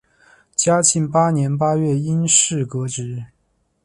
嘉庆八年八月因事革职。